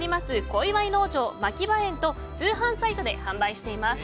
小岩井農場まきば園と通販サイトで販売しています。